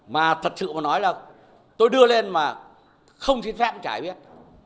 mà thật sự mà nói là tôi đưa lên mà không xin phép chả biết